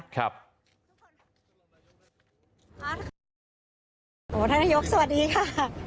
ท่านนายกสวัสดีค่ะ